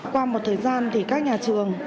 qua một thời gian thì các nhà trường